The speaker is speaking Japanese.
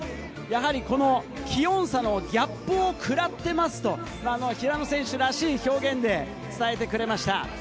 この気温差のギャップをくらっていますと、平野選手らしい表現で伝えてくれました。